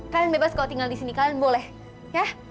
kalian bebas kau tinggal di sini kalian boleh ya